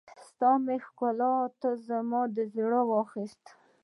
ستا مې ښکلا، زما دې زړه واخيستو